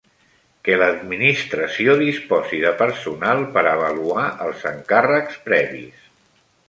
Que l'Administració disposi de personal per avaluar els encàrrecs previs.